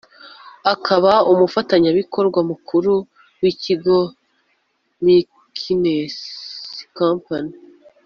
akaba umufatanyabikorwa Mukuru w’Ikigo McKinsey & Co